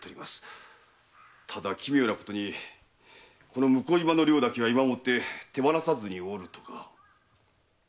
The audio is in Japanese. ただ奇妙なことに向島の寮だけは今もって手放さずにおるとか。